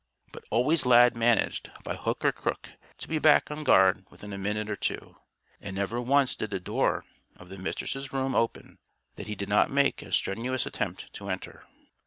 But always Lad managed, by hook or crook, to be back on guard within a minute or two. And never once did the door of the Mistress' room open that he did not make a strenuous attempt to enter.